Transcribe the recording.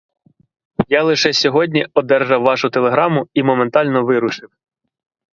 Я лише сьогодні одержав вашу телеграму і моментально вирушив.